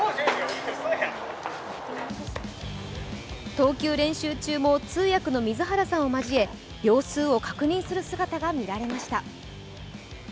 投球練習中も通訳の水原さんを交え秒数を確認する姿が見られました。